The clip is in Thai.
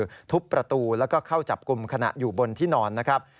คือทุบประตูแล้วก็เข้าจับกลุ่มขณะอยู่บนที่นอนนะครับ